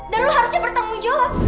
dan lu harusnya bertanggung jawab